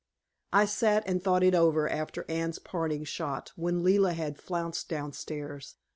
I sat and thought it over after Anne's parting shot, when Leila had flounced downstairs.